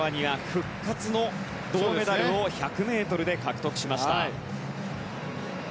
復活の銅メダルを１００ｍで獲得しました。